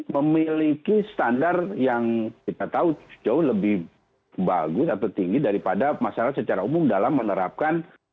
memiliki standar yang kita tahu jauh lebih bagus atau tinggi daripada masyarakat secara umum dalam menerapkan